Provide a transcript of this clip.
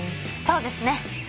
そうですね。